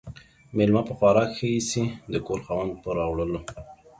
ميلمه په خوراک ِښه ايسي ، د کور خاوند ، په راوړلو.